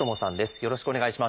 よろしくお願いします。